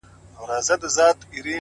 نیکه وینا ښه یاد پرېږدي!